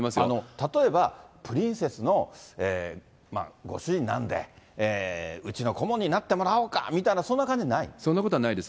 例えば、プリンセスのご主人なんで、うちの顧問になってもらおうかみたいな、そんなことはないです。